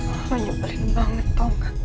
oh nyobelin banget